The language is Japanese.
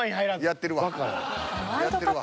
やってるわ。